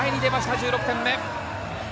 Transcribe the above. １６点目。